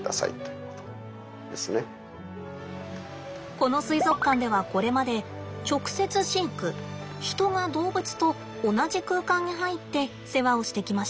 この水族館ではこれまで直接飼育人が動物と同じ空間に入って世話をしてきました。